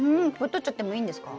とっちゃってもいいですよ。